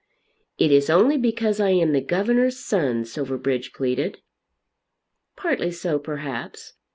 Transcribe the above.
"It is only because I am the governor's son," Silverbridge pleaded. "Partly so perhaps.